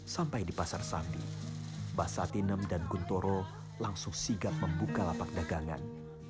sampai di pasar samdi bahsatinem dan guntoro langsung sigap membuka lapak dagangan